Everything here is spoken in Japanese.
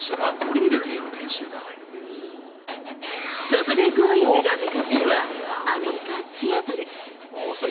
そこで『Ｇｏｉｎｇ！』が向かったのはアメリカ・シアトル。